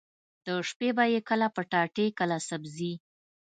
د شپې به يې کله پټاټې کله سبزي.